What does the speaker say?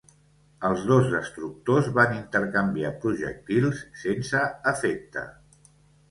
Els dos destructors van intercanviar projectils sense efecte.